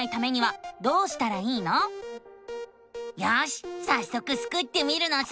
よしさっそくスクってみるのさ！